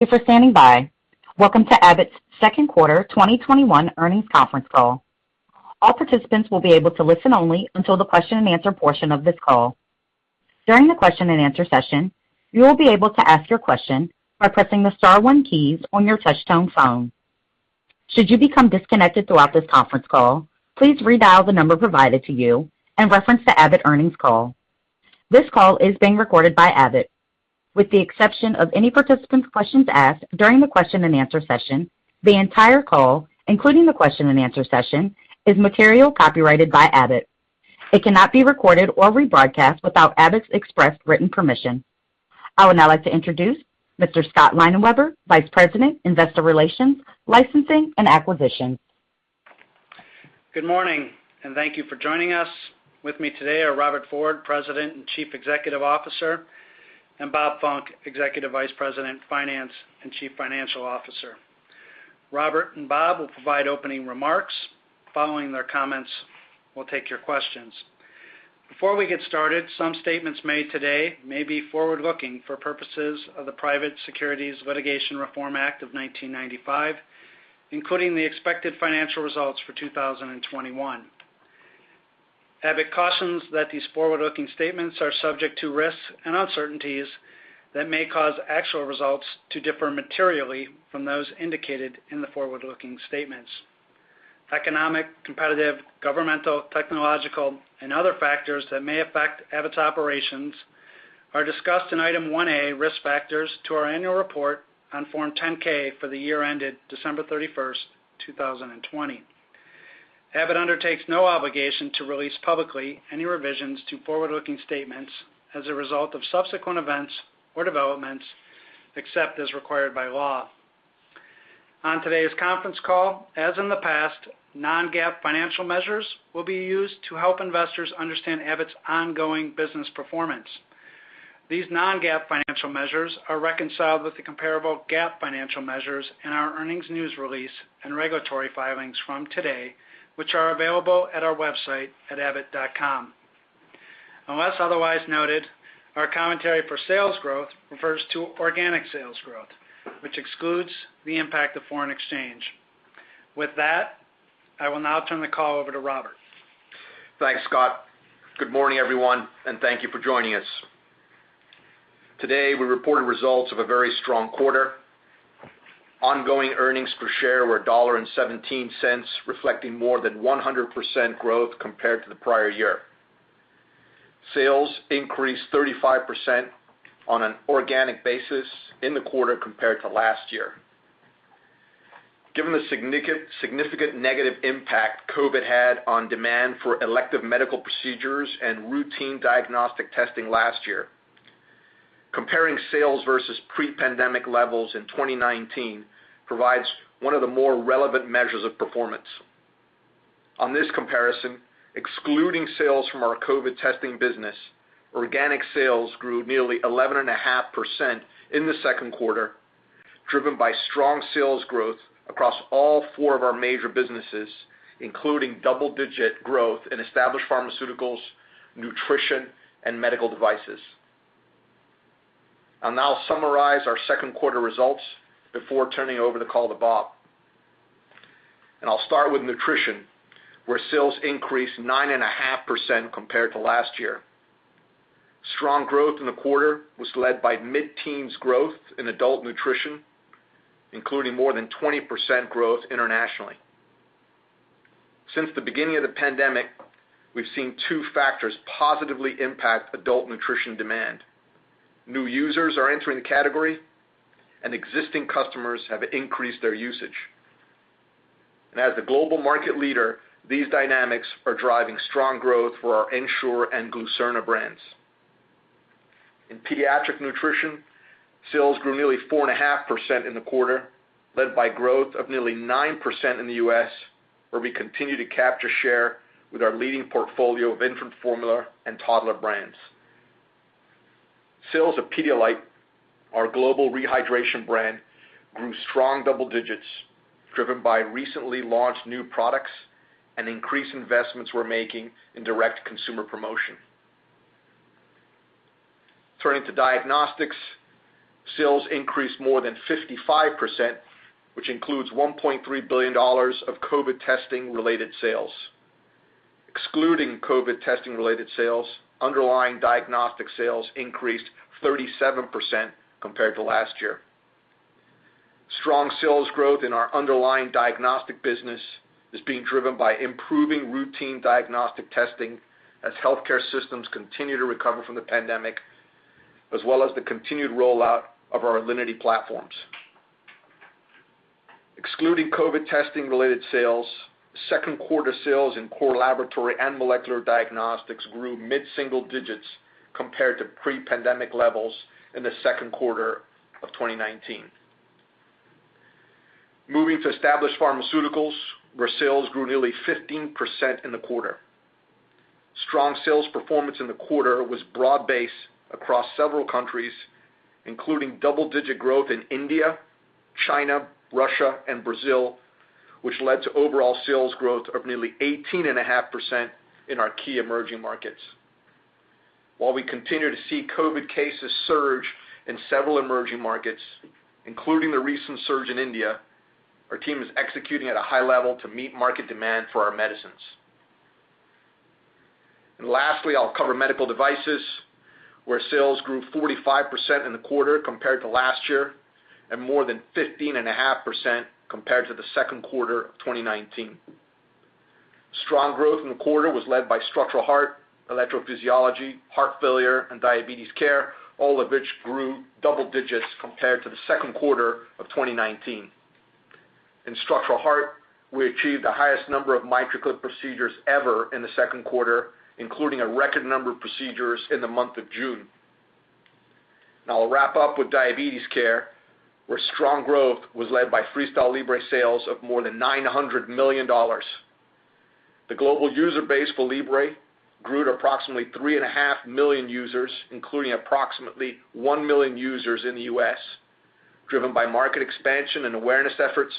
Thank you for standing by. Welcome to Abbott's second quarter 2021 earnings conference call. This call is being recorded by Abbott. With the exception of any participant's questions asked during the question and answer session, the entire call, including the question and answer session, is material copyrighted by Abbott. It cannot be recorded or rebroadcast without Abbott's express written permission. I would now like to introduce Mr. Scott Leinenweber, Vice President, Investor Relations, Licensing and Acquisitions. Good morning, and thank you for joining us. With me today are Robert Ford, President and Chief Executive Officer, and Bob Funck, Executive Vice President, Finance and Chief Financial Officer. Robert and Bob will provide opening remarks. Following their comments, we'll take your questions. Before we get started, some statements made today may be forward-looking for purposes of the Private Securities Litigation Reform Act of 1995, including the expected financial results for 2021. Abbott cautions that these forward-looking statements are subject to risks and uncertainties that may cause actual results to differ materially from those indicated in the forward-looking statements. Economic, competitive, governmental, technological, and other factors that may affect Abbott's operations are discussed in Item 1A, Risk Factors, to our annual report on Form 10-K for the year ended December 31st, 2020. Abbott undertakes no obligation to release publicly any revisions to forward-looking statements as a result of subsequent events or developments, except as required by law. On today's conference call, as in the past, non-GAAP financial measures will be used to help investors understand Abbott's ongoing business performance. These non-GAAP financial measures are reconciled with the comparable GAAP financial measures in our earnings news release and regulatory filings from today, which are available at our website at abbott.com. Unless otherwise noted, our commentary for sales growth refers to organic sales growth, which excludes the impact of foreign exchange. With that, I will now turn the call over to Robert. Thanks, Scott. Good morning, everyone, and thank you for joining us. Today, we reported results of a very strong quarter. Ongoing earnings per share were $1.17, reflecting more than 100% growth compared to the prior year. Sales increased 35% on an organic basis in the quarter compared to last year. Given the significant negative impact COVID had on demand for elective medical procedures and routine diagnostic testing last year, comparing sales versus pre-pandemic levels in 2019 provides one of the more relevant measures of performance. On this comparison, excluding sales from our COVID testing business, organic sales grew nearly 11.5% in the second quarter, driven by strong sales growth across all four of our major businesses, including double-digit growth in established pharmaceuticals, nutrition, and medical devices. I'll now summarize our second quarter results before turning over the call to Bob. I'll start with nutrition, where sales increased 9.5% compared to last year. Strong growth in the quarter was led by mid-teens growth in adult nutrition, including more than 20% growth internationally. Since the beginning of the pandemic, we've seen two factors positively impact adult nutrition demand. New users are entering the category, and existing customers have increased their usage. As the global market leader, these dynamics are driving strong growth for our Ensure and Glucerna brands. In pediatric nutrition, sales grew nearly 4.5% in the quarter, led by growth of nearly 9% in the U.S., where we continue to capture share with our leading portfolio of infant formula and toddler brands. Sales of Pedialyte, our global rehydration brand, grew strong double digits, driven by recently launched new products and increased investments we're making in direct consumer promotion. Turning to diagnostics, sales increased more than 55%, which includes $1.3 billion of COVID testing-related sales. Excluding COVID testing-related sales, underlying diagnostic sales increased 37% compared to last year. Strong sales growth in our underlying diagnostic business is being driven by improving routine diagnostic testing as healthcare systems continue to recover from the pandemic, as well as the continued rollout of our Alinity platforms. Excluding COVID testing-related sales, second quarter sales in core laboratory and molecular diagnostics grew mid-single digits compared to pre-pandemic levels in the second quarter of 2019. Moving to established pharmaceuticals, where sales grew nearly 15% in the quarter. Strong sales performance in the quarter was broad-based across several countries, including double-digit growth in India, China, Russia, and Brazil, which led to overall sales growth of nearly 18.5% in our key emerging markets. While we continue to see COVID cases surge in several emerging markets, including the recent surge in India, our team is executing at a high level to meet market demand for our medicines. Lastly, I'll cover medical devices, where sales grew 45% in the quarter compared to last year, and more than 15.5% compared to the second quarter of 2019. Strong growth in the quarter was led by structural heart, electrophysiology, heart failure, and diabetes care, all of which grew double digits compared to the second quarter of 2019. In structural heart, we achieved the highest number of MitraClip procedures ever in the second quarter, including a record number of procedures in the month of June. I'll wrap up with diabetes care, where strong growth was led by FreeStyle Libre sales of more than $900 million. The global user base for Libre grew to approximately 3.5 million users, including approximately 1 million users in the U.S., driven by market expansion and awareness efforts,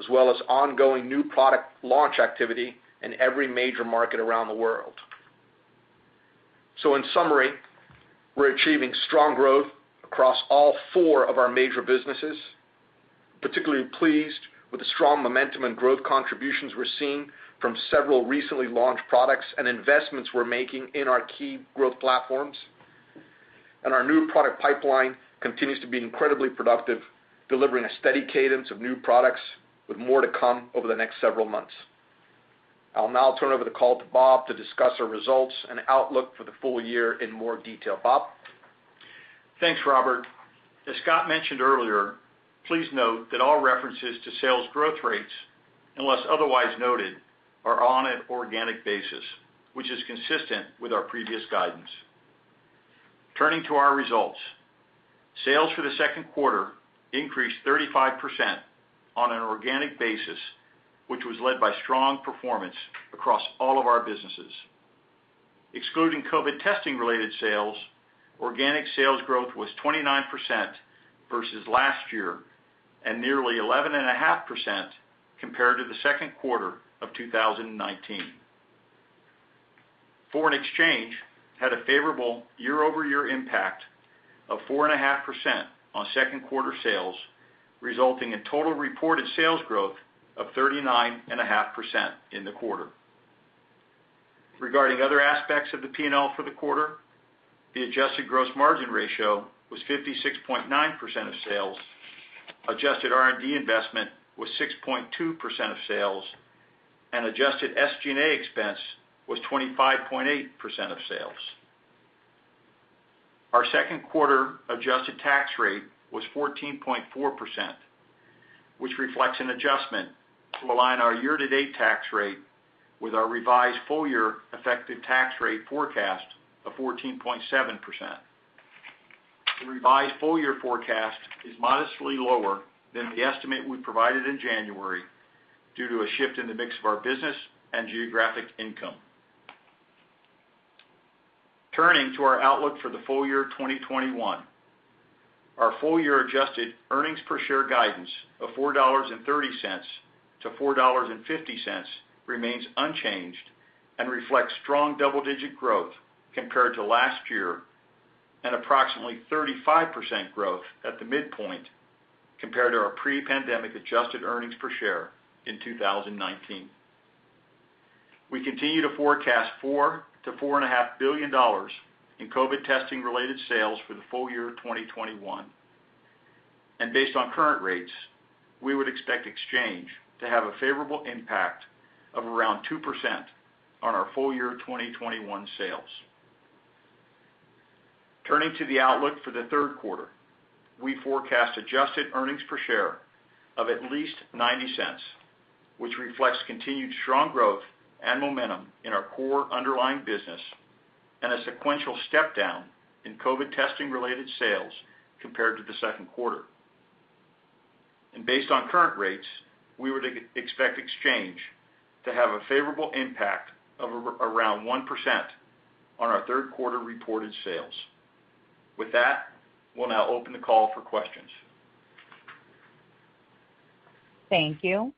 as well as ongoing new product launch activity in every major market around the world. In summary, we're achieving strong growth across all four of our major businesses. Particularly pleased with the strong momentum and growth contributions we're seeing from several recently launched products and investments we're making in our key growth platforms. Our new product pipeline continues to be incredibly productive, delivering a steady cadence of new products with more to come over the next several months. I'll now turn over the call to Bob to discuss our results and outlook for the full year in more detail. Bob? Thanks, Robert. As Scott mentioned earlier, please note that all references to sales growth rates, unless otherwise noted, are on an organic basis, which is consistent with our previous guidance. Turning to our results. Sales for the second quarter increased 35% on an organic basis, which was led by strong performance across all of our businesses. Excluding COVID testing-related sales, organic sales growth was 29% versus last year, and nearly 11.5% compared to the second quarter of 2019. Foreign exchange had a favorable year-over-year impact of 4.5% on second quarter sales, resulting in total reported sales growth of 39.5% in the quarter. Regarding other aspects of the P&L for the quarter, the adjusted gross margin ratio was 56.9% of sales, adjusted R&D investment was 6.2% of sales, and adjusted SG&A expense was 25.8% of sales. Our second quarter adjusted tax rate was 14.4%, which reflects an adjustment to align our year-to-date tax rate with our revised full-year effective tax rate forecast of 14.7%. The revised full-year forecast is modestly lower than the estimate we provided in January due to a shift in the mix of our business and geographic income. Turning to our outlook for the full year 2021. Our full-year adjusted earnings per share guidance of $4.30-$4.50 remains unchanged and reflects strong double-digit growth compared to last year, and approximately 35% growth at the midpoint compared to our pre-pandemic adjusted earnings per share in 2019. We continue to forecast $4 billion-$4.5 billion in COVID testing-related sales for the full year 2021. Based on current rates, we would expect exchange to have a favorable impact of around 2% on our full year 2021 sales. Turning to the outlook for the third quarter, we forecast adjusted earnings per share of at least $0.90, which reflects continued strong growth and momentum in our core underlying business and a sequential step down in COVID testing-related sales compared to the second quarter. Based on current rates, we would expect exchange to have a favorable impact of around 1% on our third quarter reported sales. With that, we'll now open the call for questions. Thank you.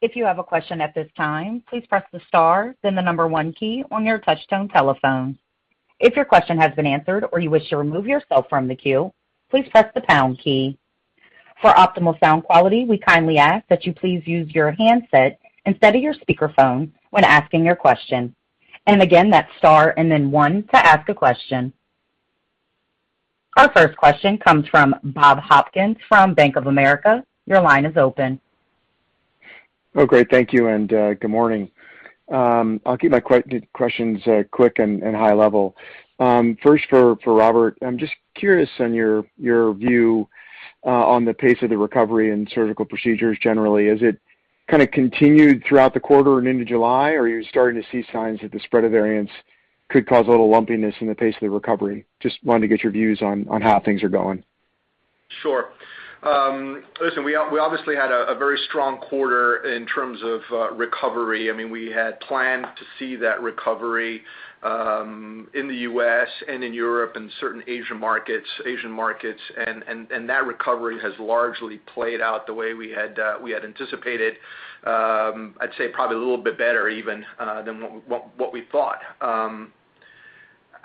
If you have a question at this time, please press the star, then the number 1 key on your touchtone telephone. If your question has been answered or you wish to remove yourself from the queue, please press the pound key. For optimal sound quality, we kindly ask that you please use your handset instead of your speakerphone when asking your question. Again, that's star and then 1 to ask a question. Our first question comes from Bob Hopkins from Bank of America. Your line is open. Oh, great. Thank you, and good morning. I'll keep my questions quick and high level. First for Robert, I'm just curious on your view on the pace of the recovery in surgical procedures generally. Has it kind of continued throughout the quarter and into July, or are you starting to see signs that the spread of variants could cause a little lumpiness in the pace of the recovery? Just wanted to get your views on how things are going. Sure. Listen, we obviously had a very strong quarter in terms of recovery. We had planned to see that recovery in the U.S. and in Europe and certain Asian markets. That recovery has largely played out the way we had anticipated. I'd say probably a little bit better even than what we thought.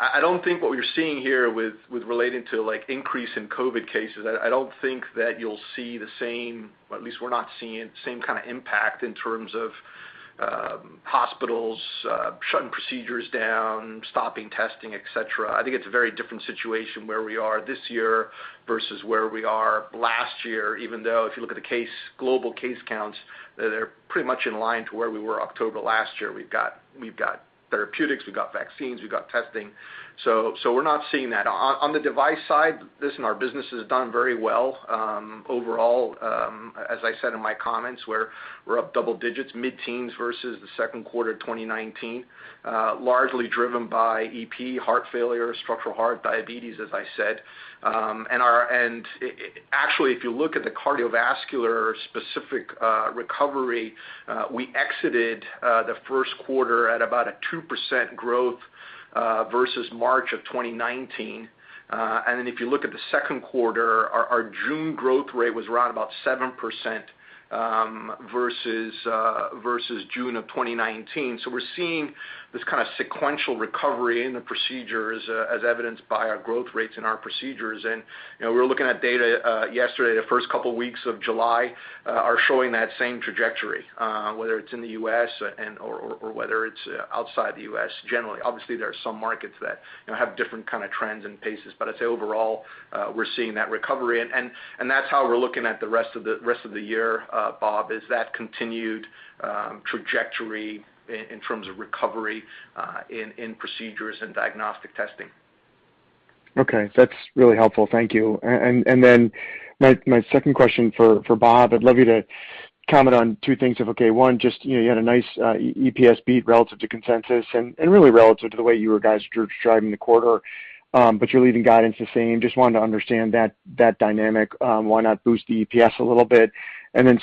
I don't think what we're seeing here with relating to increase in COVID cases, I don't think that you'll see the same, or at least we're not seeing the same kind of impact in terms of hospitals shutting procedures down, stopping testing, et cetera. I think it's a very different situation where we are this year versus where we are last year, even though if you look at the global case counts, they're pretty much in line to where we were October last year. We've got therapeutics, we've got vaccines, we've got testing. We're not seeing that. On the device side, listen, our business has done very well. Overall, as I said in my comments, we're up double digits, mid-teens versus the second quarter 2019, largely driven by EP, heart failure, structural heart, diabetes, as I said. Actually, if you look at the cardiovascular specific recovery, we exited the first quarter at about a 2% growth versus March of 2019. If you look at the second quarter, our June growth rate was right about 7% versus June of 2019. We're seeing this kind of sequential recovery in the procedures as evidenced by our growth rates in our procedures. We were looking at data yesterday, the first couple of weeks of July are showing that same trajectory, whether it's in the U.S. or whether it's outside the U.S., generally. Obviously, there are some markets that have different kind of trends and paces. I'd say overall, we're seeing that recovery. That's how we're looking at the rest of the year, Bob, is that continued trajectory in terms of recovery in procedures and diagnostic testing. Okay. That's really helpful. Thank you. My second question for Bob, I'd love you to comment on two things if okay. One, just you had a nice EPS beat relative to consensus and really relative to the way you were guys driving the quarter, but you're leaving guidance the same. Just wanted to understand that dynamic. Why not boost the EPS a little bit?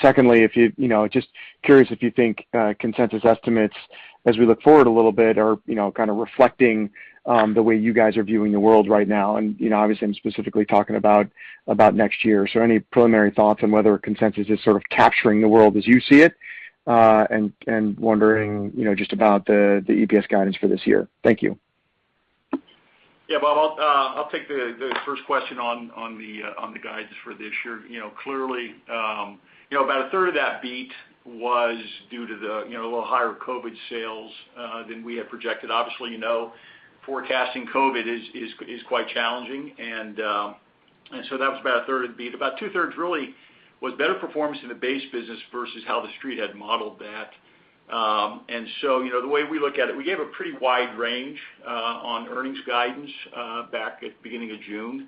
Secondly, just curious if you think consensus estimates as we look forward a little bit are kind of reflecting the way you guys are viewing the world right now. Obviously, I'm specifically talking about next year. Any preliminary thoughts on whether consensus is sort of capturing the world as you see it, and wondering just about the EPS guidance for this year. Thank you. Yeah, Bob, I'll take the first question on the guidance for this year. Clearly about a third of that beat was due to the little higher COVID sales than we had projected. Obviously, you know forecasting COVID is quite challenging, that was about a third of the beat. About two-thirds really was better performance in the base business versus how the Street had modeled that. The way we look at it, we gave a pretty wide range on earnings guidance back at beginning of June,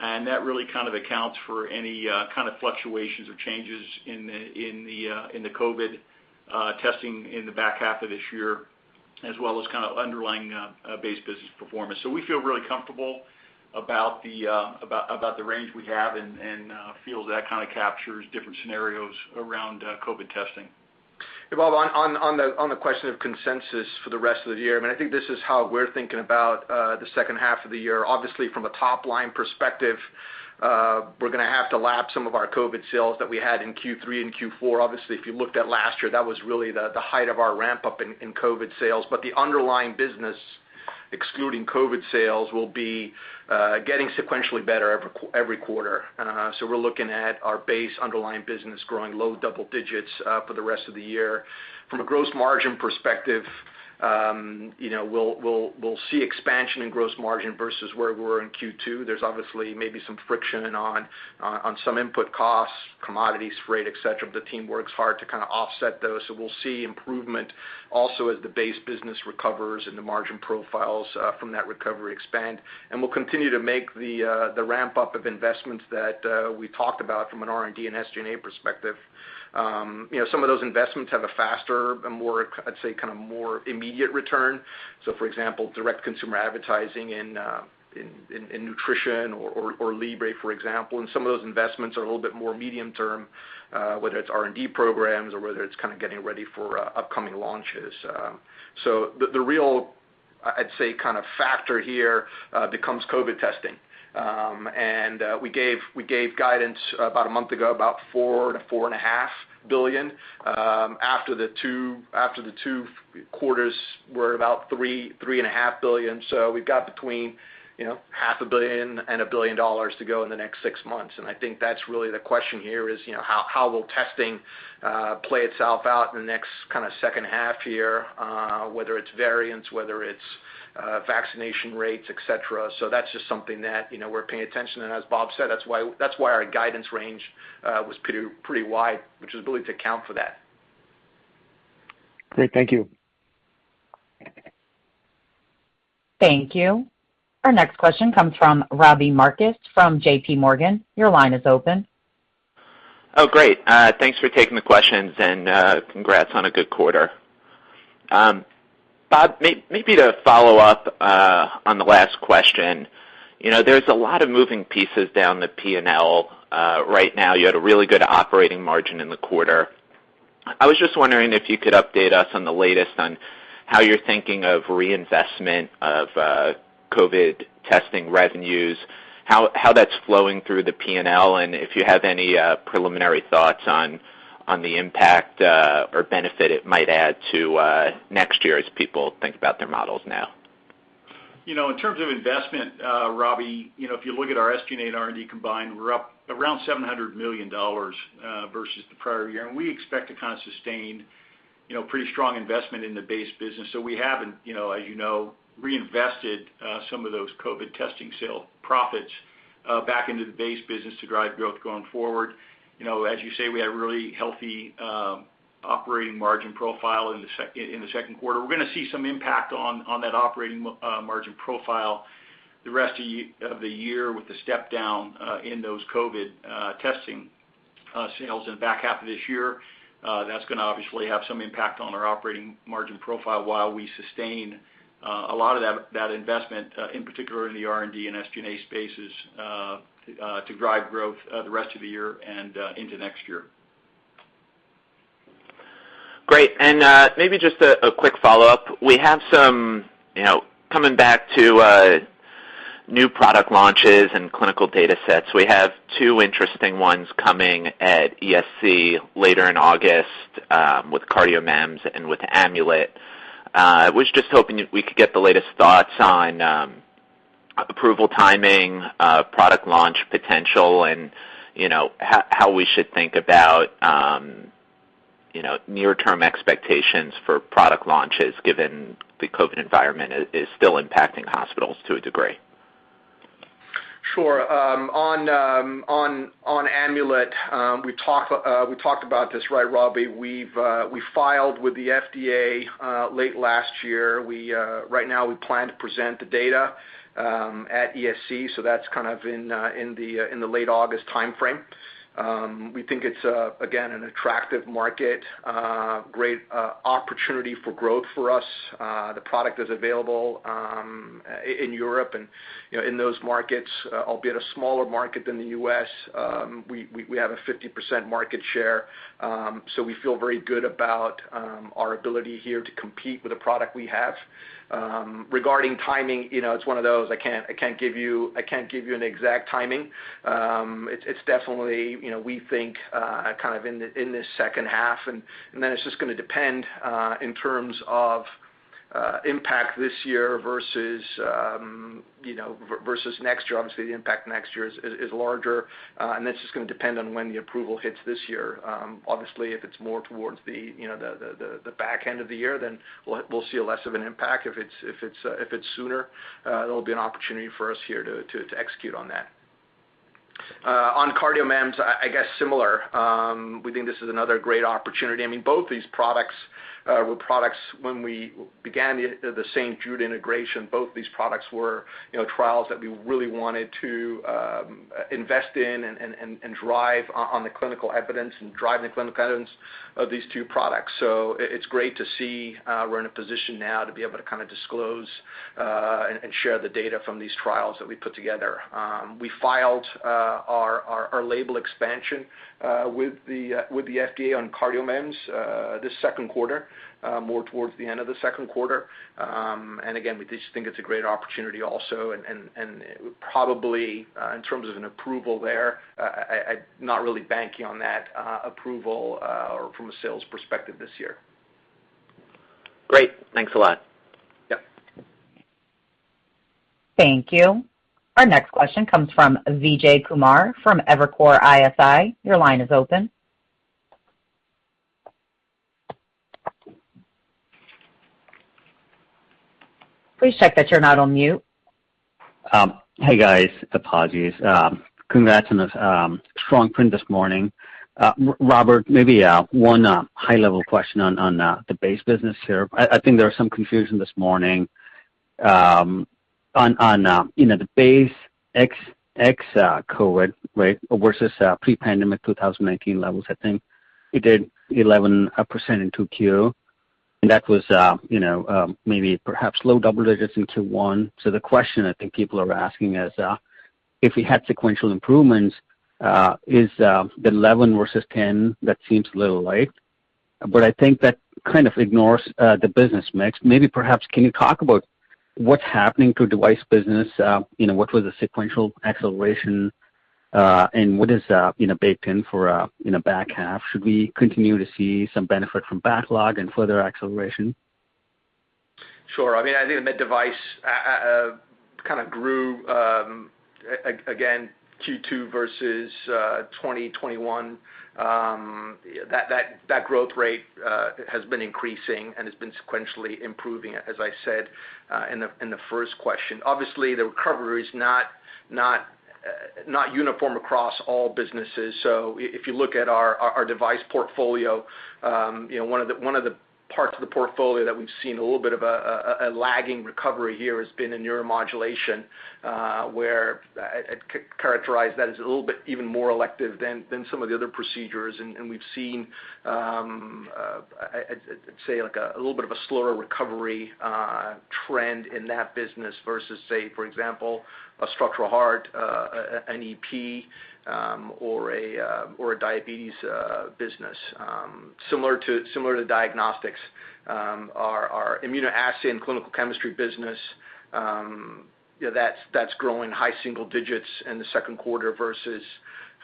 and that really kind of accounts for any kind of fluctuations or changes in the COVID testing in the back half of this year, as well as kind of underlying base business performance. We feel really comfortable about the range we have and feel that kind of captures different scenarios around COVID testing. Hey, Bob, on the question of consensus for the rest of the year, I mean, I think this is how we're thinking about the second half of the year. From a top-line perspective, we're going to have to lap some of our COVID sales that we had in Q3 and Q4. If you looked at last year, that was really the height of our ramp-up in COVID sales. The underlying business, excluding COVID sales, will be getting sequentially better every quarter. We're looking at our base underlying business growing low double digits for the rest of the year. From a gross margin perspective, we'll see expansion in gross margin versus where we were in Q2. There's obviously maybe some friction on some input costs, commodities, freight, et cetera, the team works hard to kind of offset those. We'll see improvement also as the base business recovers and the margin profiles from that recovery expand. We'll continue to make the ramp-up of investments that we talked about from an R&D and SG&A perspective. Some of those investments have a faster and more, I'd say, kind of more immediate return. For example, direct consumer advertising in nutrition or Libre, for example. Some of those investments are a little bit more medium-term, whether it's R&D programs or whether it's kind of getting ready for upcoming launches. The real, I'd say, kind of factor here becomes COVID testing. We gave guidance about a month ago, about $4 billion-$4.5 billion. After the 2 quarters were about $3 billion-$3.5 billion. We've got between half a billion and a billion dollars to go in the next six months. I think that's really the question here is how will testing play itself out in the next kind of second half here, whether it's variants, whether it's vaccination rates, et cetera. That's just something that we're paying attention. As Bob said, that's why our guidance range was pretty wide, which is really to account for that. Great. Thank you. Thank you. Our next question comes from Robbie Marcus from JPMorgan. Your line is open. Oh, great. Thanks for taking the questions and congrats on a good quarter. Bob, maybe to follow up on the last question. There's a lot of moving pieces down the P&L right now. You had a really good operating margin in the quarter. I was just wondering if you could update us on the latest on how you're thinking of reinvestment of COVID testing revenues. How that's flowing through the P&L, and if you have any preliminary thoughts on the impact or benefit it might add to next year as people think about their models now. In terms of investment, Robbie, if you look at our SG&A and R&D combined, we're up around $700 million versus the prior year. We expect to kind of sustain pretty strong investment in the base business. We haven't, as you know, reinvested some of those COVID testing sale profits back into the base business to drive growth going forward. As you say, we had really healthy operating margin profile in the second quarter. We're going to see some impact on that operating margin profile the rest of the year with the step down in those COVID testing sales in the back half of this year. That's going to obviously have some impact on our operating margin profile while we sustain a lot of that investment, in particular in the R&D and SG&A spaces, to drive growth the rest of the year and into next year. Great. Maybe just a quick follow-up. Coming back to new product launches and clinical data sets, we have two interesting ones coming at ESC later in August with CardioMEMS and with Amulet. I was just hoping we could get the latest thoughts on approval timing, product launch potential, and how we should think about near-term expectations for product launches, given the COVID environment is still impacting hospitals to a degree. Sure. On Amulet, we talked about this, right, Robbie? We filed with the FDA late last year. Right now, we plan to present the data at ESC. That's kind of in the late August timeframe. We think it's, again, an attractive market, great opportunity for growth for us. The product is available in Europe and in those markets, albeit a smaller market than the U.S., we have a 50% market share. We feel very good about our ability here to compete with the product we have. Regarding timing, it's one of those, I can't give you an exact timing. It's definitely, we think, kind of in this second half. Then it's just going to depend in terms of impact this year versus next year. Obviously, the impact next year is larger. That's just going to depend on when the approval hits this year. Obviously, if it's more towards the back end of the year, then we'll see less of an impact. If it's sooner, there'll be an opportunity for us here to execute on that. On CardioMEMS, I guess similar. We think this is another great opportunity. Both these products were products when we began the St. Jude integration, both these products were trials that we really wanted to invest in and drive on the clinical evidence and drive the clinical evidence of these two products. It's great to see we're in a position now to be able to kind of disclose and share the data from these trials that we put together. We filed our label expansion with the FDA on CardioMEMS this second quarter, more towards the end of the second quarter. Again, we just think it's a great opportunity also, and probably in terms of an approval there, I'm not really banking on that approval from a sales perspective this year. Great. Thanks a lot. Yep. Thank you. Our next question comes from Vijay Kumar from Evercore ISI. Your line is open. Please check that you're not on mute. Hey, guys. Apologies. Congrats on a strong print this morning. Robert, maybe one high-level question on the base business here. I think there was some confusion this morning on the base ex-COVID versus pre-pandemic 2019 levels, I think. You did 11% in Q2, and that was maybe perhaps low double digits in Q1. The question I think people are asking is if we had sequential improvements, is the 11 versus 10, that seems a little light. I think that kind of ignores the business mix. Maybe perhaps can you talk about what's happening to device business? What was the sequential acceleration, and what is baked in for back half? Should we continue to see some benefit from backlog and further acceleration? Sure. I think the med device kind of grew again Q2 versus 2021. That growth rate has been increasing and has been sequentially improving, as I said in the first question. The recovery is not uniform across all businesses. If you look at our device portfolio, one of the parts of the portfolio that we've seen a little bit of a lagging recovery here has been in neuromodulation, where I'd characterize that as a little bit even more elective than some of the other procedures, and we've seen, say, like a little bit of a slower recovery trend in that business versus, say, for example, a structural heart, an EP, or a diabetes business. Similar to diagnostics, our immunoassay and clinical chemistry business That's growing high single digits in the second quarter versus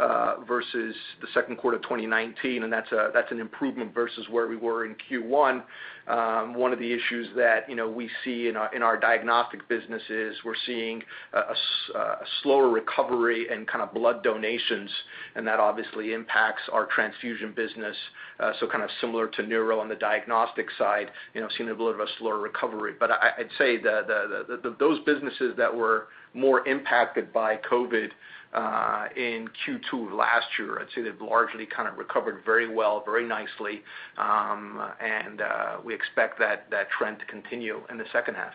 the second quarter of 2019, and that's an improvement versus where we were in Q1. One of the issues that we see in our diagnostic business is we're seeing a slower recovery in blood donations, and that obviously impacts our transfusion business. Kind of similar to neuro on the diagnostic side, seeing a bit of a slower recovery. I'd say that those businesses that were more impacted by COVID in Q2 of last year, I'd say they've largely recovered very well, very nicely. We expect that trend to continue in the second half.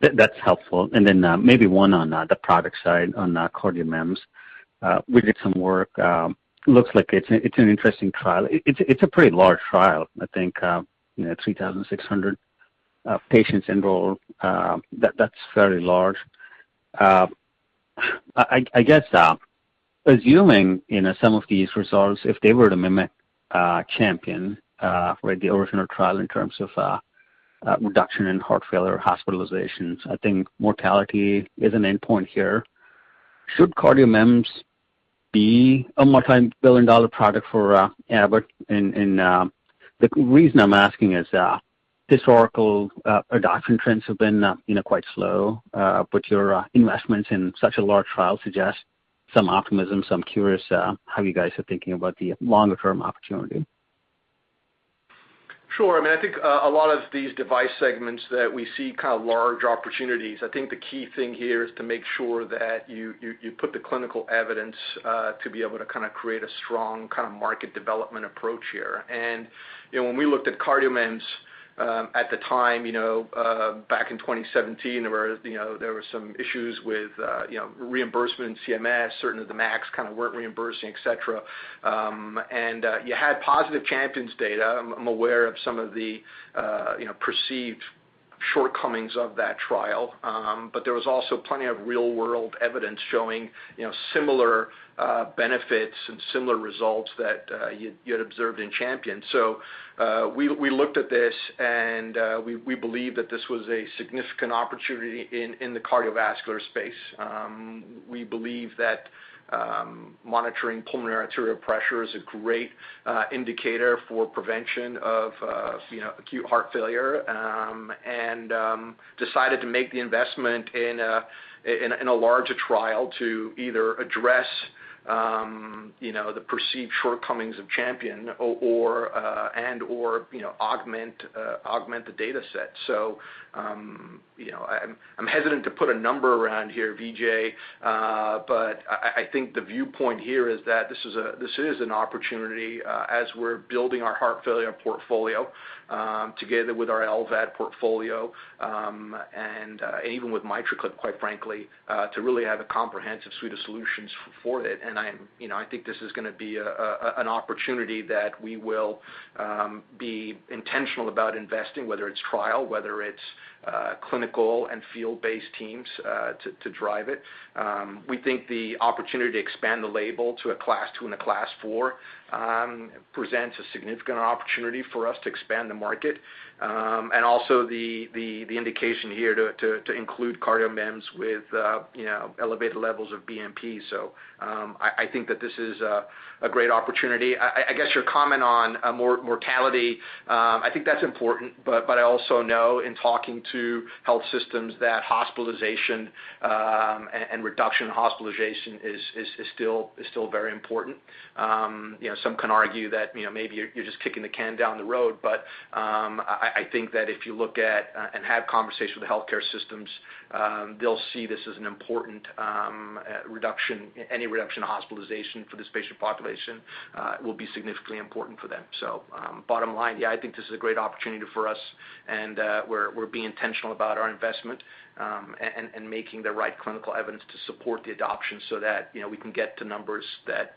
That's helpful. Then maybe one on the product side on CardioMEMS. We did some work. Looks like it's an interesting trial. It's a pretty large trial, I think, 3,600 patients enrolled. That's very large. I guess, assuming some of these results, if they were to mimic CHAMPION, the original trial in terms of reduction in heart failure hospitalizations, I think mortality is an endpoint here. Should CardioMEMS be a multi-billion-dollar product for Abbott? The reason I'm asking is historical adoption trends have been quite slow, but your investments in such a large trial suggest some optimism. I'm curious how you guys are thinking about the longer-term opportunity. Sure. I think a lot of these device segments that we see large opportunities, I think the key thing here is to make sure that you put the clinical evidence to be able to create a strong market development approach here. When we looked at CardioMEMS at the time, back in 2017, there were some issues with reimbursement and CMS, certainly the MACs weren't reimbursing, et cetera. You had positive CHAMPION data. I'm aware of some of the perceived shortcomings of that trial. There was also plenty of real-world evidence showing similar benefits and similar results that you had observed in CHAMPION. We looked at this, and we believe that this was a significant opportunity in the cardiovascular space. We believe that monitoring pulmonary arterial pressure is a great indicator for prevention of acute heart failure. Decided to make the investment in a larger trial to either address the perceived shortcomings of CHAMPION and/or augment the data set. I'm hesitant to put a number around here, Vijay, but I think the viewpoint here is that this is an opportunity as we're building our heart failure portfolio together with our LVAD portfolio. Even with MitraClip, quite frankly, to really have a comprehensive suite of solutions for it. I think this is going to be an opportunity that we will be intentional about investing, whether it's trial, whether it's clinical and field-based teams to drive it. We think the opportunity to expand the label to a class 2 and a class 4 presents a significant opportunity for us to expand the market. Also the indication here to include CardioMEMS with elevated levels of BNP. I think that this is a great opportunity. I guess your comment on mortality, I think that's important, but I also know in talking to health systems that hospitalization and reduction in hospitalization is still very important. Some can argue that maybe you're just kicking the can down the road, but I think that if you look at and have conversations with healthcare systems, they'll see this as an important reduction. Any reduction in hospitalization for this patient population will be significantly important for them. Bottom line, yeah, I think this is a great opportunity for us, and we're being intentional about our investment and making the right clinical evidence to support the adoption so that we can get to numbers that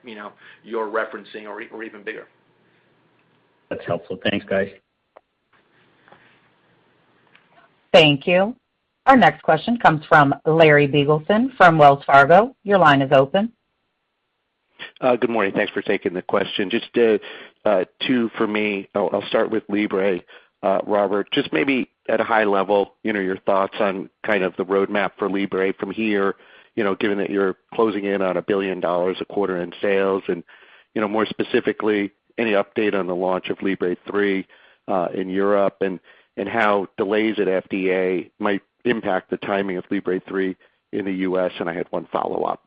you're referencing or even bigger. That's helpful. Thanks, guys. Thank you. Our next question comes from Larry Biegelsen from Wells Fargo. Your line is open. Good morning. Thanks for taking the question. Just two for me. I'll start with Libre. Robert, just maybe at a high level, your thoughts on kind of the roadmap for Libre from here given that you're closing in on $1 billion a quarter in sales and, more specifically, any update on the launch of Libre 3 in Europe and how delays at FDA might impact the timing of Libre 3 in the U.S., and I had one follow-up.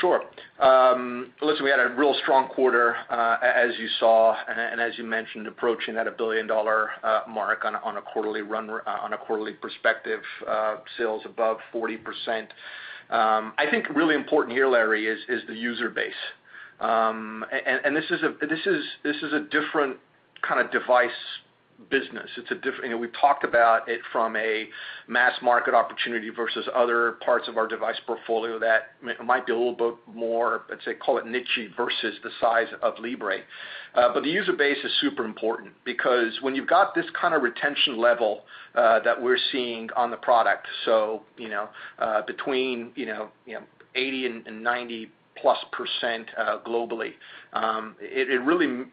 Sure. Listen, we had a real strong quarter, as you saw and as you mentioned, approaching that $1 billion-dollar mark on a quarterly perspective, sales above 40%. I think really important here, Larry, is the user base. This is a different kind of device business. We talked about it from a mass market opportunity versus other parts of our device portfolio that might be a little bit more, let's say, call it niche versus the size of Libre. The user base is super important because when you've got this kind of retention level that we're seeing on the product, so between 80% and 90%-plus globally, it really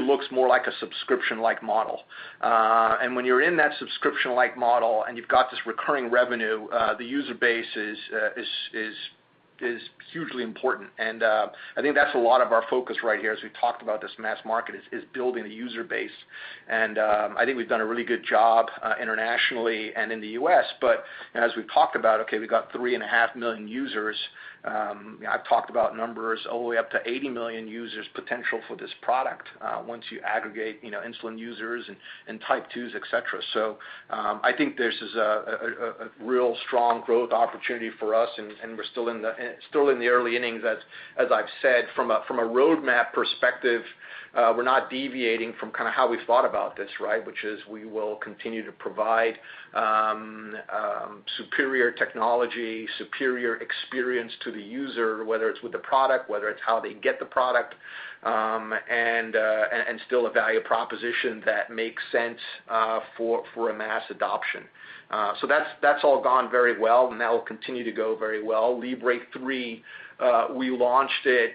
looks more like a subscription-like model. When you're in that subscription-like model and you've got this recurring revenue, the user base is hugely important. I think that's a lot of our focus right here as we talked about this mass market, is building a user base. I think we've done a really good job internationally and in the U.S., but as we've talked about, okay, we've got 3.5 million users. I've talked about numbers all the way up to 80 million users potential for this product, once you aggregate insulin users and Type 2s, et cetera. I think this is a real strong growth opportunity for us, and we're still in the early innings as I've said. From a road map perspective, we're not deviating from how we've thought about this, which is we will continue to provide superior technology, superior experience to the user, whether it's with the product, whether it's how they get the product, and still a value proposition that makes sense for a mass adoption. That's all gone very well, and that will continue to go very well. Libre 3, we launched it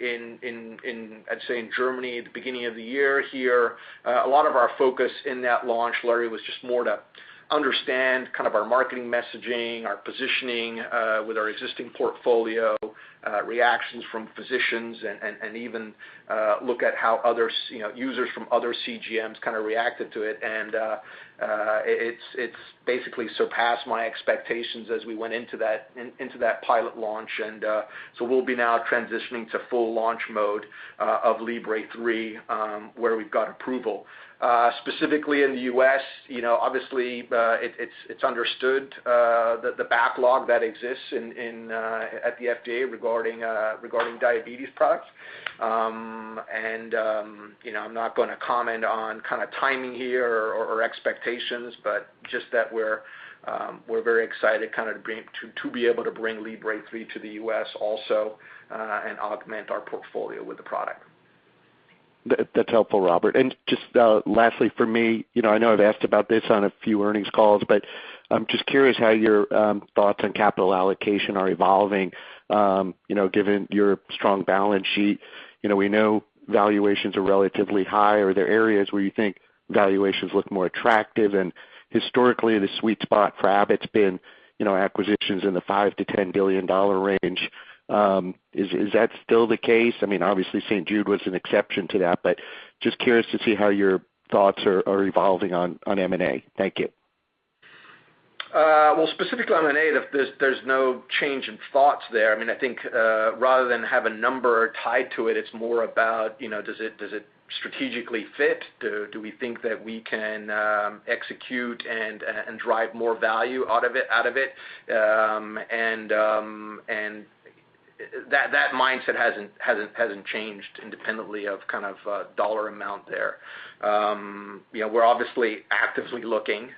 in, I'd say, in Germany at the beginning of the year here. A lot of our focus in that launch, Larry, was just more to understand our marketing messaging, our positioning with our existing portfolio, reactions from physicians and even look at how users from other CGMs reacted to it. It's basically surpassed my expectations as we went into that pilot launch. We'll be now transitioning to full launch mode of Libre 3, where we've got approval. Specifically in the U.S., obviously it's understood that the backlog that exists at the FDA regarding diabetes products. I'm not going to comment on timing here or expectations, but just that we're very excited to be able to bring Libre 3 to the U.S. also and augment our portfolio with the product. That's helpful, Robert. Just lastly for me, I know I've asked about this on a few earnings calls, but I'm just curious how your thoughts on capital allocation are evolving given your strong balance sheet. We know valuations are relatively high. Are there areas where you think valuations look more attractive? Historically, the sweet spot for Abbott's been acquisitions in the $5 billion-$10 billion range. Is that still the case? Obviously St. Jude was an exception to that, Just curious to see how your thoughts are evolving on M&A. Thank you. Well, specifically on M&A, there's no change in thoughts there. I think rather than have a number tied to it's more about does it strategically fit? Do we think that we can execute and drive more value out of it? That mindset hasn't changed independently of dollar amount there. We're obviously actively looking.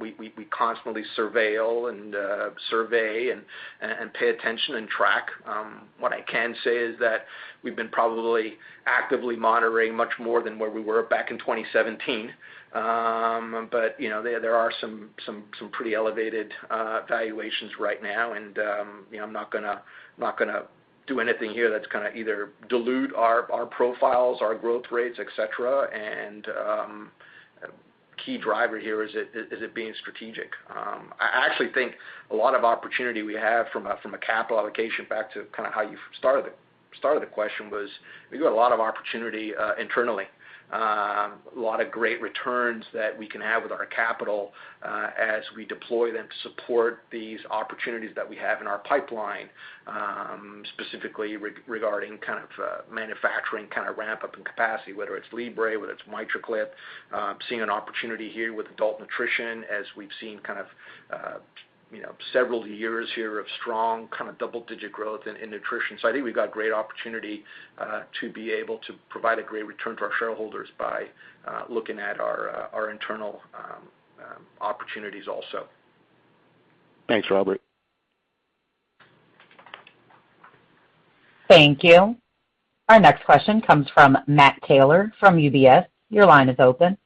We constantly surveil and survey and pay attention and track. What I can say is that we've been probably actively monitoring much more than where we were back in 2017. There are some pretty elevated valuations right now, and I'm not going to do anything here that's going to either dilute our profiles, our growth rates, et cetera, and key driver here is it being strategic. I actually think a lot of opportunity we have from a capital allocation back to how you started the question was, we've got a lot of opportunity internally. A lot of great returns that we can have with our capital as we deploy them to support these opportunities that we have in our pipeline, specifically regarding manufacturing ramp-up and capacity, whether it's Libre, whether it's MitraClip. Seeing an opportunity here with adult nutrition as we've seen several years here of strong double-digit growth in nutrition. I think we've got great opportunity to be able to provide a great return for our shareholders by looking at our internal opportunities also. Thanks, Robert. Thank you. Our next question comes from Matt Taylor from UBS. Your line is open.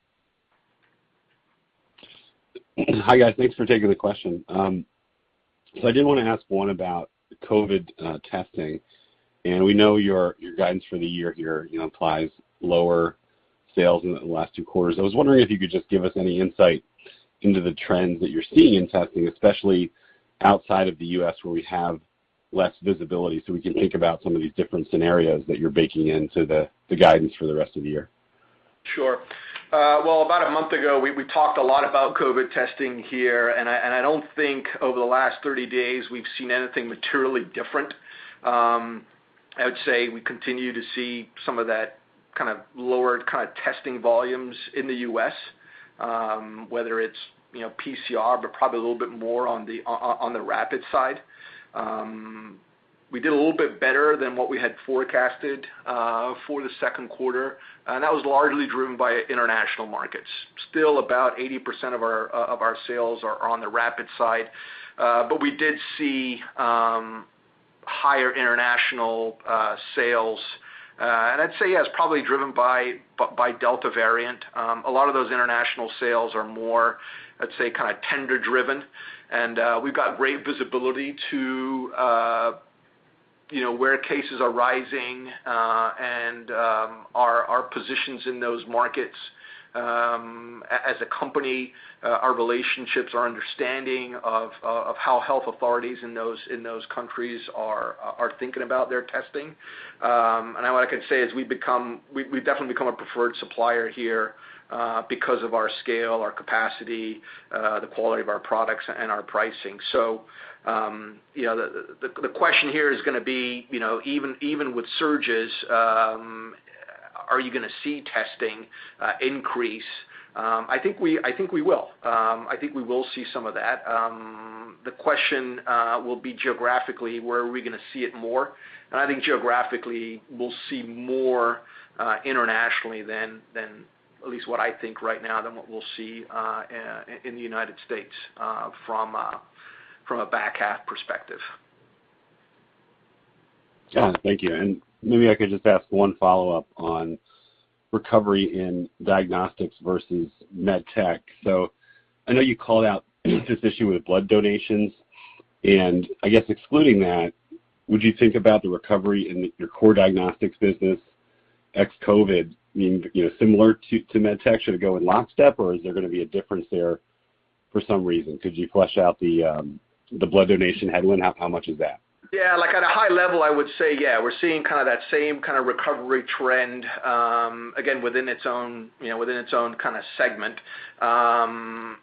Hi, guys. Thanks for taking the question. I did want to ask one about COVID testing, and we know your guidance for the year here implies lower sales in the last two quarters. I was wondering if you could just give us any insight into the trends that you're seeing in testing, especially outside of the U.S. where we have less visibility, so we can think about some of these different scenarios that you're baking into the guidance for the rest of the year. Sure. Well, about a month ago, we talked a lot about COVID testing here, I don't think over the last 30 days, we've seen anything materially different. I would say we continue to see some of that lowered testing volumes in the U.S., whether it's PCR, but probably a little bit more on the rapid side. We did a little bit better than what we had forecasted for the second quarter. That was largely driven by international markets. Still about 80% of our sales are on the rapid side. We did see higher international sales. I'd say yes, probably driven by Delta variant. A lot of those international sales are more, let's say, tender-driven. We've got great visibility to where cases are rising and our positions in those markets as a company, our relationships, our understanding of how health authorities in those countries are thinking about their testing. Now what I can say is we've definitely become a preferred supplier here because of our scale, our capacity, the quality of our products, and our pricing. The question here is going to be, even with surges, are you going to see testing increase? I think we will. I think we will see some of that. The question will be geographically, where are we going to see it more? I think geographically, we'll see more internationally than, at least what I think right now, than what we'll see in the United States from a back half perspective. John, thank you. Maybe I could just ask one follow-up on recovery in diagnostics versus med tech. I know you called out this issue with blood donations, and I guess excluding that, would you think about the recovery in your core diagnostics business ex-COVID, meaning similar to med tech, sort of go in lockstep, or is there going to be a difference there for some reason? Could you flesh out the blood donation headline? How much is that? At a high level, I would say yeah. We're seeing that same kind of recovery trend, again, within its own kind of segment. Our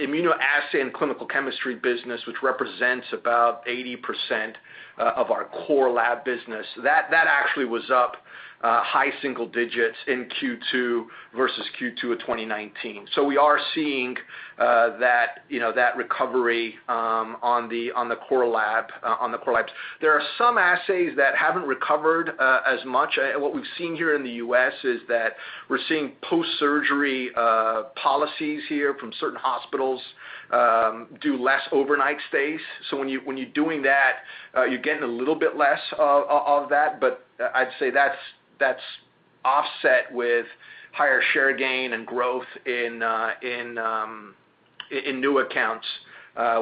immunoassay and clinical chemistry business, which represents about 80% of our core lab business, that actually was up high single digits in Q2 versus Q2 of 2019. We are seeing that recovery on the core labs. There are some assays that haven't recovered as much. What we've seen here in the U.S. is that we're seeing post-surgery policies here from certain hospitals do less overnight stays. When you're doing that, you're getting a little bit less of that. I'd say that's offset with higher share gain and growth in new accounts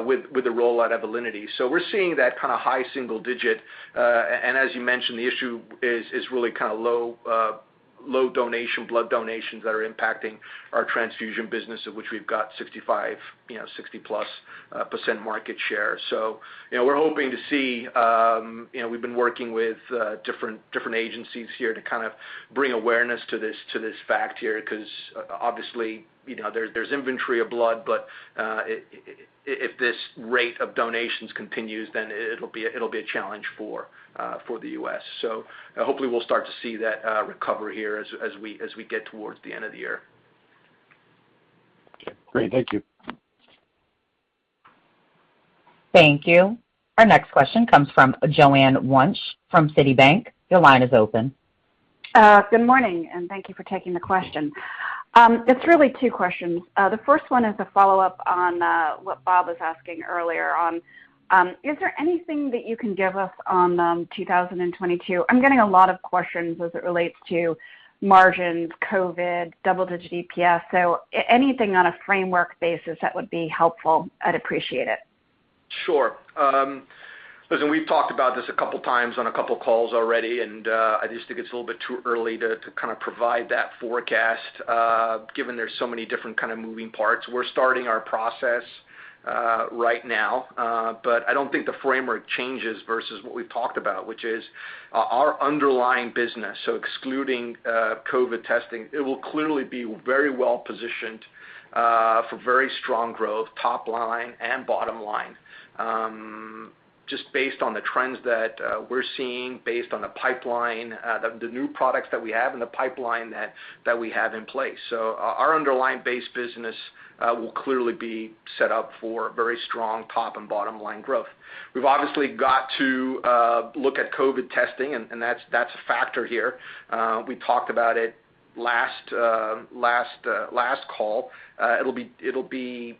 with the rollout of Alinity. We're seeing that kind of high single digit. As you mentioned, the issue is really low blood donations that are impacting our transfusion business, of which we've got 65%, 60%+ market share. We've been working with different agencies here to bring awareness to this fact here, because obviously, there's inventory of blood, but if this rate of donations continues, then it'll be a challenge for the U.S. Hopefully we'll start to see that recovery here as we get towards the end of the year. Okay, great. Thank you. Thank you. Our next question comes from Joanne Wuensch from Citi. Your line is open. Good morning, thank you for taking the question. It's really two questions. The first one is a follow-up on what Bob was asking earlier on. Is there anything that you can give us on 2022? I'm getting a lot of questions as it relates to margins, COVID, double-digit EPS. Anything on a framework basis that would be helpful, I'd appreciate it. Sure. Listen, we've talked about this a couple of times on a couple of calls already, I just think it's a little bit too early to provide that forecast, given there's so many different kind of moving parts. We're starting our process right now. I don't think the framework changes versus what we've talked about, which is our underlying business. Excluding COVID testing, it will clearly be very well-positioned for very strong growth, top line and bottom line, just based on the trends that we're seeing, based on the new products that we have in the pipeline that we have in place. Our underlying base business will clearly be set up for very strong top and bottom-line growth. We've obviously got to look at COVID testing, that's a factor here. We talked about it last call. It'll be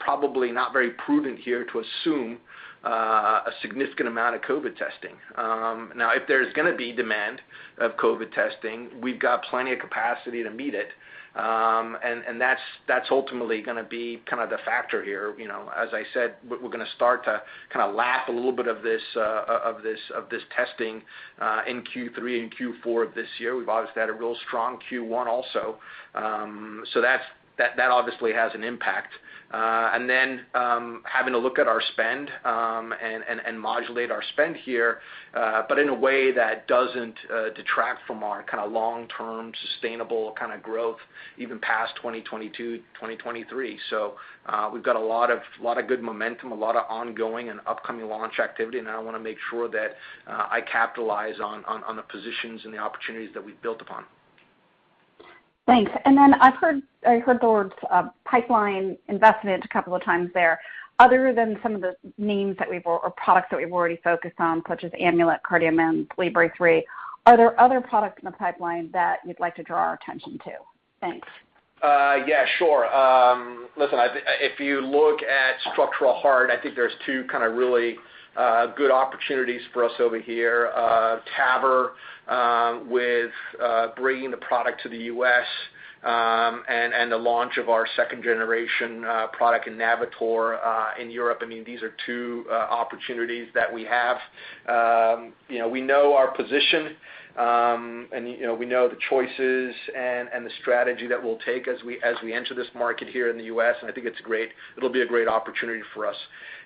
probably not very prudent here to assume a significant amount of COVID testing. Now, if there's going to be demand of COVID testing, we've got plenty of capacity to meet it, and that's ultimately going to be the factor here. As I said, we're going to start to lap a little bit of this testing in Q3 and Q4 of this year. We've obviously had a real strong Q1 also. That obviously has an impact. Having a look at our spend and modulate our spend here, but in a way that doesn't detract from our long-term sustainable kind of growth even past 2022, 2023. We've got a lot of good momentum, a lot of ongoing and upcoming launch activity, and I want to make sure that I capitalize on the positions and the opportunities that we've built upon. Thanks. I heard the words pipeline investment a couple of times there. Other than some of the names or products that we've already focused on, such as Amulet, CardioMEMS, Libre 3, are there other products in the pipeline that you'd like to draw our attention to? Thanks. Sure. Listen, if you look at structural heart, I think there's two really good opportunities for us over here. TAVR, with bringing the product to the U.S., and the launch of our second-generation product in Navitor in Europe. These are two opportunities that we have. We know our position, and we know the choices and the strategy that we'll take as we enter this market here in the U.S., and I think it'll be a great opportunity for us.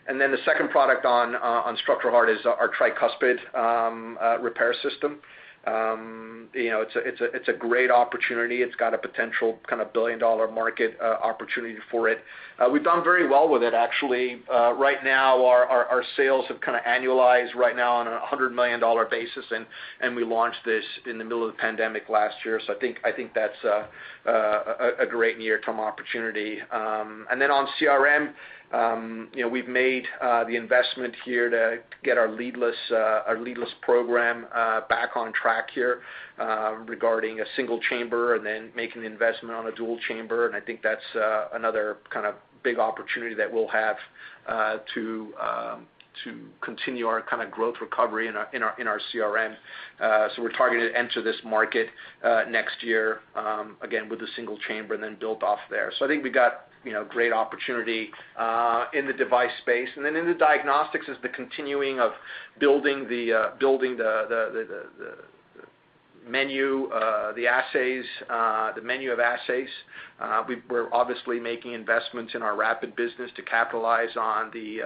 The second product on structural heart is our tricuspid repair system. It's a great opportunity. It's got a potential $1 billion market opportunity for it. We've done very well with it, actually. Right now, our sales have annualized right now on a $100 million basis, and we launched this in the middle of the pandemic last year. I think that's a great near-term opportunity. On CRM, we've made the investment here to get our leadless program back on track here regarding a single chamber and then making the investment on a dual chamber. I think that's another big opportunity that we'll have to continue our growth recovery in our CRM. We're targeted to enter this market next year, again, with a single chamber and then build off there. I think we got great opportunity in the device space. In the diagnostics is the continuing of building the menu of assays. We're obviously making investments in our rapid business to capitalize on the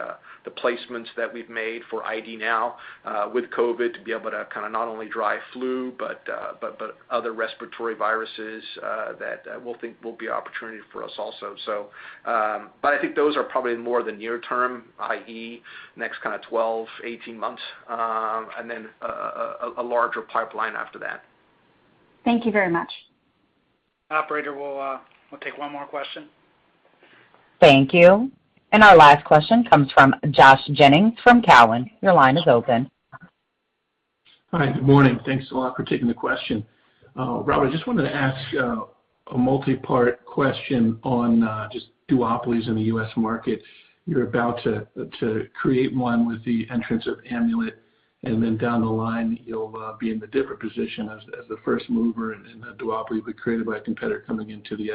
placements that we've made for ID NOW with COVID, to be able to not only drive flu, but other respiratory viruses that we'll think will be an opportunity for us also. I think those are probably more the near term, i.e. next 12, 18 months, and then a larger pipeline after that. Thank you very much. Operator, we'll take one more question. Thank you. Our last question comes from Josh Jennings from Cowen. Your line is open. Hi. Good morning. Thanks a lot for taking the question. Rob, I just wanted to ask a multi-part question on just duopolies in the U.S. market. You're about to create one with the entrance of Amulet, down the line, you'll be in the different position as the first mover in the duopoly being created by a competitor coming into the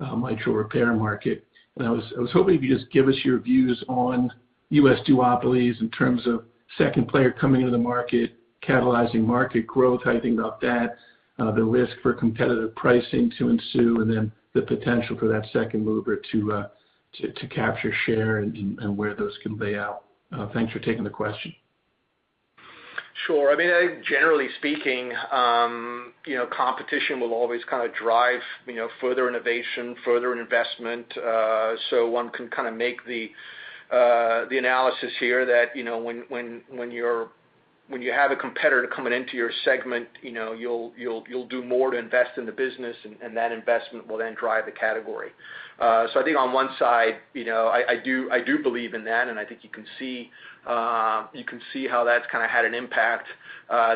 MitraClip mitral repair market. I was hoping if you could just give us your views on U.S. duopolies in terms of second player coming into the market, catalyzing market growth, how you think about that, the risk for competitive pricing to ensue, the potential for that second mover to capture share and where those can play out. Thanks for taking the question. Sure. I think generally speaking, competition will always drive further innovation, further investment. One can make the analysis here that when you have a competitor coming into your segment, you'll do more to invest in the business, and that investment will then drive the category. I think on one side, I do believe in that, and I think you can see how that's had an impact,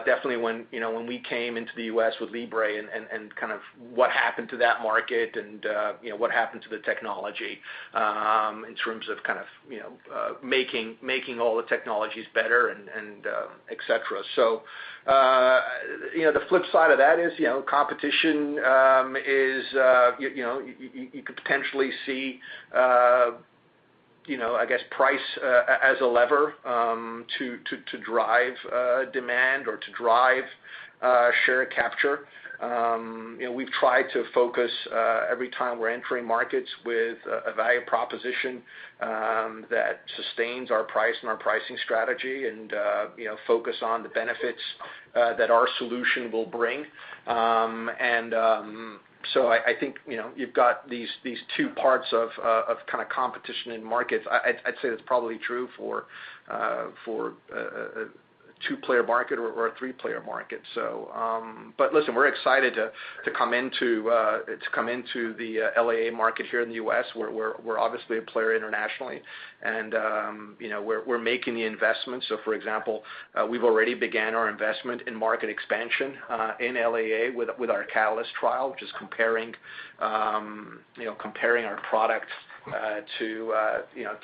definitely when we came into the U.S. with Libre and what happened to that market and what happened to the technology in terms of making all the technologies better and et cetera. The flip side of that is competition is you could potentially see, I guess, price as a lever to drive demand or to drive share capture. We've tried to focus every time we're entering markets with a value proposition that sustains our price and our pricing strategy and focus on the benefits that our solution will bring. I think you've got these two parts of competition in markets. I'd say that's probably true for a 2-player market or a 3-player market. Listen, we're excited to come into the LAA market here in the U.S. We're obviously a player internationally, and we're making the investment. For example, we've already began our investment in market expansion in LAA with our CATALYST trial, which is comparing our products to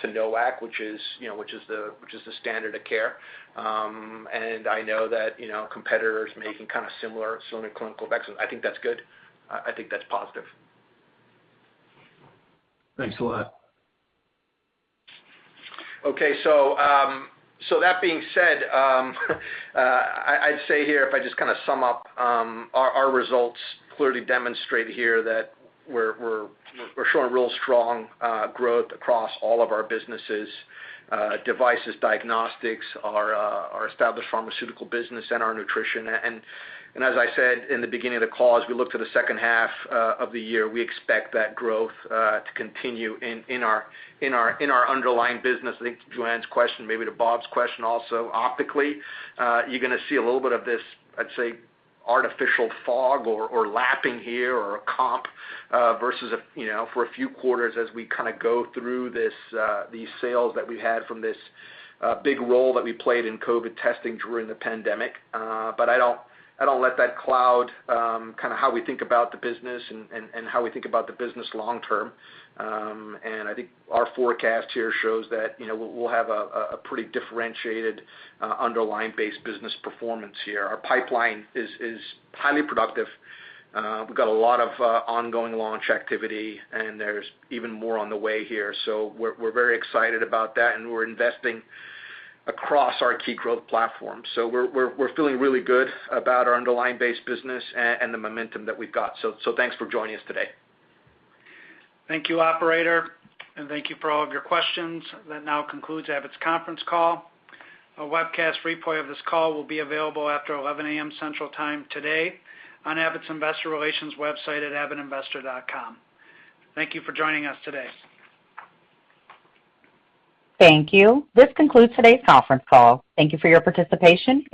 NOACs, which is the standard of care. I know that competitors making similar clinical effects, and I think that's good. I think that's positive. Thanks a lot. Okay. That being said I'd say here, if I just sum up our results clearly demonstrate here that we're showing real strong growth across all of our businesses, devices, diagnostics, our established pharmaceutical business, and our nutrition. As I said in the beginning of the call, as we look to the second half of the year, we expect that growth to continue in our underlying business. I think to Joanne's question, maybe to Bob's question also, optically, you're going to see a little bit of this, I'd say, artificial fog or lapping here or a comp versus for a few quarters as we go through these sales that we had from this big role that we played in COVID testing during the pandemic. I don't let that cloud how we think about the business and how we think about the business long term. I think our forecast here shows that we'll have a pretty differentiated underlying base business performance here. Our pipeline is highly productive. We've got a lot of ongoing launch activity, and there's even more on the way here. We're very excited about that, and we're investing across our key growth platform. We're feeling really good about our underlying base business and the momentum that we've got. Thanks for joining us today. Thank you, operator, and thank you for all of your questions. That now concludes Abbott's conference call. A webcast replay of this call will be available after 11:00 A.M. Central Time today on Abbott's Investor Relations website at abbottinvestor.com. Thank you for joining us today. Thank you. This concludes today's conference call. Thank you for your participation.